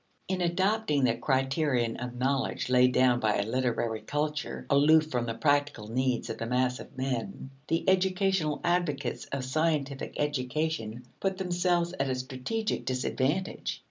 In adopting the criterion of knowledge laid down by a literary culture, aloof from the practical needs of the mass of men, the educational advocates of scientific education put themselves at a strategic disadvantage.